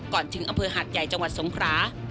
ถึงอำเภอหาดใหญ่จังหวัดสงครา